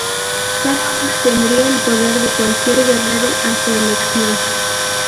Cada una tendría el poder de cualquier guerrero a su elección.